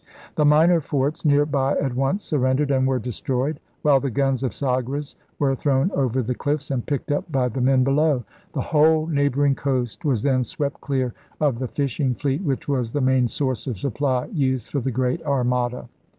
The minor forts near by at once surrendered and were destroyed, while the guns of Sagres were thrown over the cliffs and picked up by the men below. The whole neighboring coast was then swept clear of the fishing fleet which was the main source of supply used for the Great Armada.